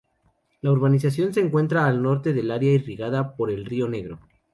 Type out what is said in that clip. La urbanización se encuentra al norte del área irrigada por el río Negro.